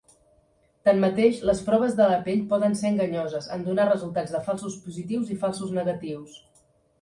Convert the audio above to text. Tanmateix, les proves de la pell poden ser enganyoses en donar resultats de falsos positius i falsos negatius.